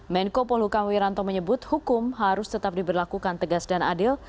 menko polhukam wiranto menyebut hukum harus tetap diberlakukan tegas dan adil